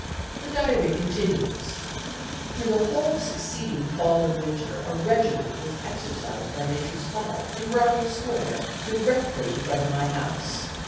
" The diary continues: "Through the whole succeeding Fall and Winter, a regiment was exercised by Major Small, in Brattle Square, directly in front of my house.